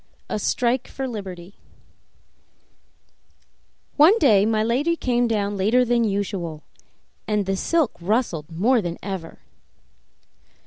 23 A Strike for Liberty One day my lady came down later than usual, and the silk rustled more than ever.